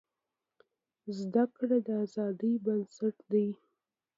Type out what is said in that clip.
زده کړه د ازادۍ بنسټ دی.